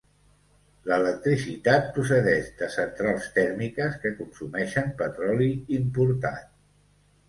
L'electricitat procedeix de centrals tèrmiques que consumeixen petroli importat.